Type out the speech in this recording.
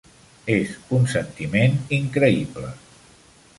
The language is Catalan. És un sentiment increïble.